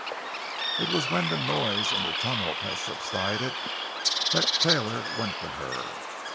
It was when the noise and the tumult had subsided that Taylor went to her.